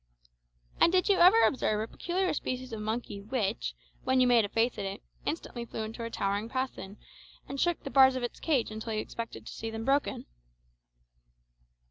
"And did you ever observe a peculiar species of monkey, which, when you made a face at it, instantly flew into a towering passion, and shook the bars of its cage until you expected to see them broken?"